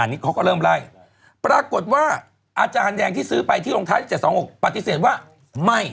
นี่เขาก็เริ่มไล่ปรากฏว่าอาจารย์แดงที่ซื้อไปที่ลงท้ายที่๗๒๖ปฏิเสธว่าไม่